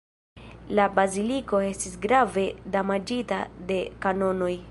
La baziliko estis grave damaĝita de kanonoj.